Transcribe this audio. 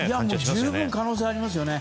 十分可能性ありますよね。